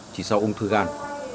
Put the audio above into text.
chỉ sau ung thư gan